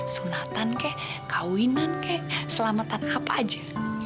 sunatan kek kawinan kek selamatan apa aja